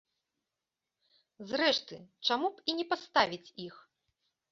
Зрэшты, чаму б і не паставіць іх?